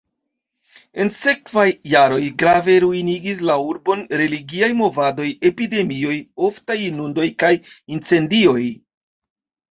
En sekvaj jaroj grave ruinigis la urbon religiaj movadoj, epidemioj, oftaj inundoj kaj incendioj.